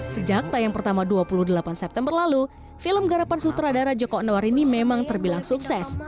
sejak tayang pertama dua puluh delapan september lalu film garapan sutradara joko anwar ini memang terbilang sukses